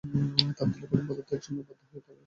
তাপ দিলে কঠিন পদার্থ এক সময় বাধ্য হয়ে তরলে পরিণত হয়।